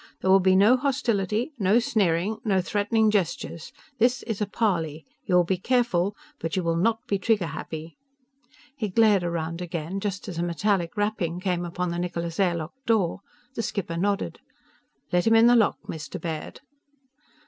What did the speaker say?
There will be no hostility, no sneering, no threatening gestures! This is a parley! You will be careful. But you will not be trigger happy!" He glared around again, just as a metallic rapping came upon the Niccola's air lock door. The skipper nodded: "Let him in the lock, Mr. Baird."